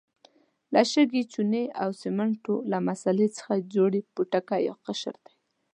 له شګې، چونې او سمنټو له مسالې څخه جوړ پوټکی یا قشر دی.